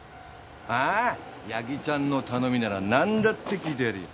ああ矢木ちゃんの頼みならなんだって聞いてやるよ。